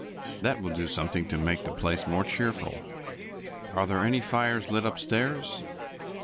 That will do something to make the place more cheerful." "Are there any fires lit upstairs?"